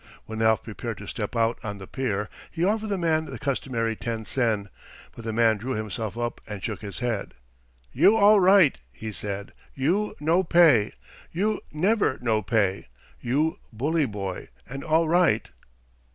When Alf prepared to step out on to the pier, he offered the man the customary ten sen. But the man drew himself up and shook his head. "You all right," he said. "You no pay. You never no pay. You bully boy and all right."